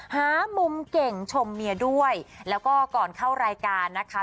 หามุมเก่งชมเมียด้วยแล้วก็ก่อนเข้ารายการนะคะ